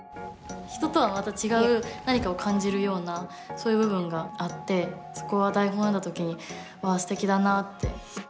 人とはまた違う何かを感じるようなそういう部分があってそこは台本を読んだ時にわあすてきだなって。